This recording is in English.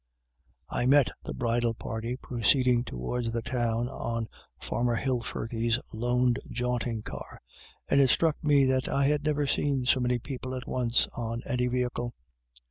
I met the bridal party proceeding towards the Town on Farmer Hilfirthy's loaned jaunting car, and it struck me that I had never seen so many people at once on any vehicle.